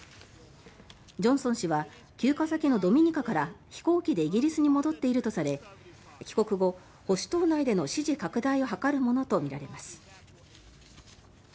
ジョンソン氏は休暇先のドミニカから飛行機でイギリスに戻っているとされ帰国後、保守党内での支持拡大を図るものとみられます。